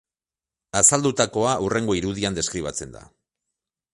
Azaldutakoa hurrengo irudian deskribatzen da.